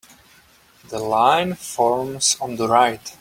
The line forms on the right.